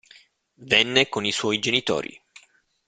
Venne con i suoi genitori.